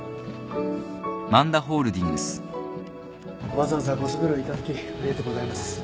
わざわざご足労いただきありがとうございます。